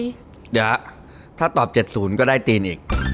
เดี๋ยวถ้าตอบ๗๐ก็ได้ตีนอีก